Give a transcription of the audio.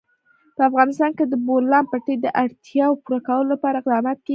په افغانستان کې د د بولان پټي د اړتیاوو پوره کولو لپاره اقدامات کېږي.